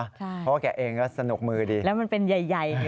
ใช่เพราะว่าแกะเองก็สนุกมือดีแล้วมันเป็นใหญ่อยู่ข้างใน